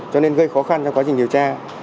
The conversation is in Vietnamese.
cho nên gây khó khăn cho quá trình điều tra